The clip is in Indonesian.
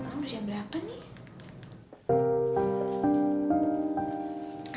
aku berusia berapa nih